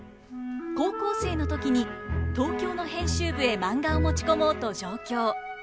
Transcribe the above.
高校生の時に東京の編集部へマンガを持ち込もうと上京。